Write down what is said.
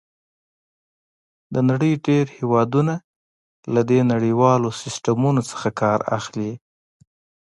د نړۍ ډېر هېوادونه له دې نړیوالو سیسټمونو څخه کار اخلي.